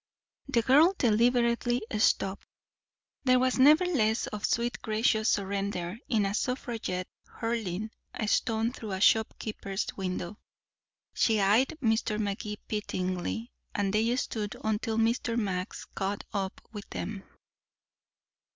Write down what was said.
The girl deliberately stopped. There was never less of sweet gracious surrender in a suffragette hurling a stone through a shop keeper's window. She eyed Mr. Magee pityingly, and they stood until Mr. Max caught up with them.